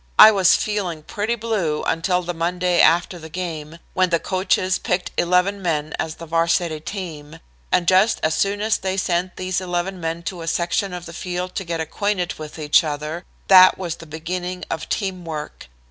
I was feeling pretty blue until the Monday after the game, when the coaches picked eleven men as the Varsity team, and just as soon as they sent these eleven men to a section of the field to get acquainted with each other that was the beginning of team work.